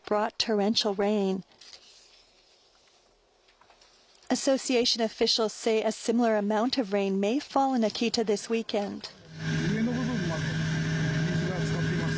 ハウスの上の部分まで水につかっています。